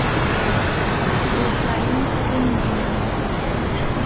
بۆشایی پڕی نهێنییە.